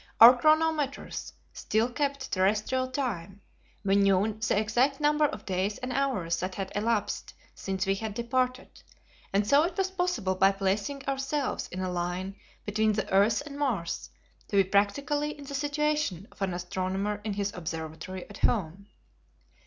Our chronometers still kept terrestrial time; we knew the exact number of days and hours that had elapsed since we had departed, and so it was possible by placing ourselves in a line between the earth and Mars to be practically in the situation of an astronomer in his observatory at home.